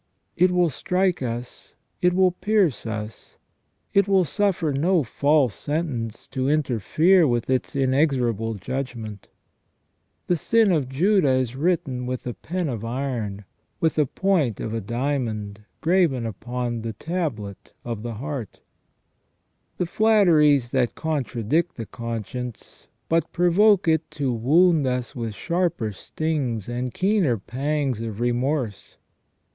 It will strike us, it will pierce us, it will suffer no false sentence to interfere with its inexorable judgment. "The sin of Juda is written with a pen of iron, with a point of a diamond, graven upon the tablet of the heart" The flatteries that contradict the conscience but provoke it to wound us with sharper stings and keener pangs of remorse.